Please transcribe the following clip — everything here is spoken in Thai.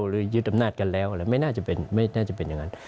หรือยึดอำนาจกันแล้วไม่น่าจะเป็นอย่างนั้น